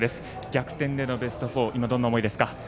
逆転でのベスト４今、どんな思いですか？